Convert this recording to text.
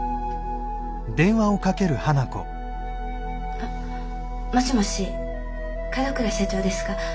あっもしもし門倉社長ですか？